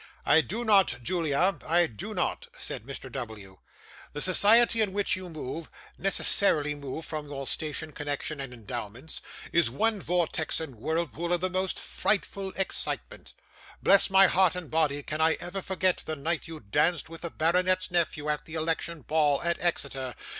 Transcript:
'I do not, Julia, I do not,' said Mr. W. 'The society in which you move necessarily move, from your station, connection, and endowments is one vortex and whirlpool of the most frightful excitement. Bless my heart and body, can I ever forget the night you danced with the baronet's nephew at the election ball, at Exeter!